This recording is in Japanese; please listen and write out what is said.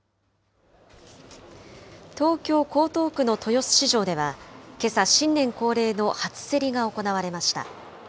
東京・江東区の豊洲市場では、けさ、新年恒例の初競りが行われました。